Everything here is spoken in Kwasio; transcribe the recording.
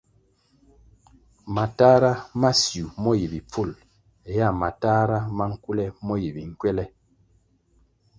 Matahra ma siu mo yi bipful hea matahra ma nkule mo yi minkwele.